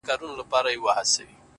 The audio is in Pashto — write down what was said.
كبرجن وو ځان يې غوښـتى پــه دنـيـا كي ـ